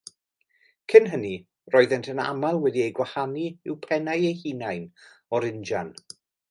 Cyn hynny roddent yn aml wedi eu gwahanu i'w pennau eu hunain o'r injan.